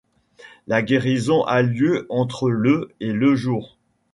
La guérison a lieu entre le et le jours.